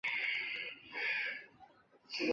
国民革命军第三军由王均任军长。